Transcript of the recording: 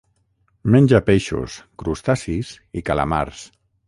Menja peixos, crustacis i calamars.